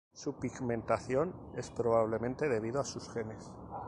Su pigmentación es probablemente debido a sus genes.